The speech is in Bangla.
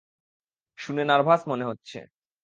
শুনে নার্ভাস মনে হচ্ছে।